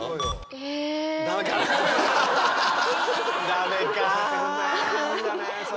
ダメか。